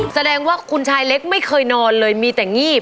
แสดงว่าคุณชายเล็กไม่เคยนอนเลยมีแต่งีบ